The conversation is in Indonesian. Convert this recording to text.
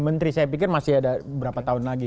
menteri saya pikir masih ada berapa tahun lagi